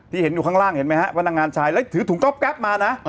ที่เห็นอยู่ข้างล่างพนักงานทรายแล้วถือถุงก็อพแก๊ปมานะ